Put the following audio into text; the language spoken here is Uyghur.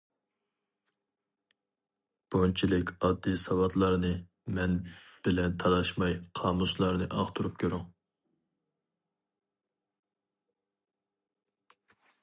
بۇنچىلىك ئاددىي ساۋاتلارنى مەن بىلەن تالاشماي قامۇسلارنى ئاختۇرۇپ كۆرۈڭ.